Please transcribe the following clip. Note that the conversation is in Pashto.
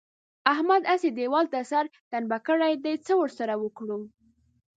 احمد هسې دېوال ته سر ټنبه کړی دی؛ څه ور سره وکړو؟!